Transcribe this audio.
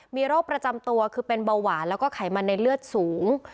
มีโรคประจำตัวคือเป็นเบาหวานแล้วก็ไขมันในเลือดสูง